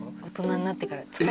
大人になってから。